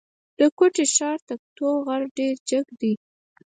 د کوټي ښار تکتو غر ډېر جګ دی.